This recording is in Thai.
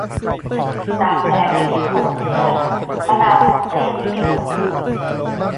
หนามแหลมไม่มีคนเสี้ยม มะนาวกลมเกลี้ยงไม่มีคนกลึง